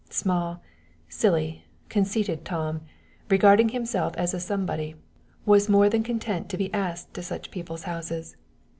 Small, silly, conceited Tom, regarding himself as a somebody, was more than content to be asked to such people's houses.